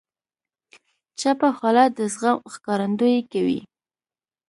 چپه خوله، د زغم ښکارندویي کوي.